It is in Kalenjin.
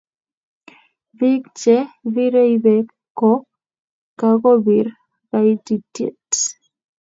Biik che birei beek ko kakobir kaititiet